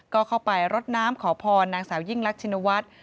ก็เข้าไปรดน้ำขอพรนางสาวยิ่งรักชินวัฒน์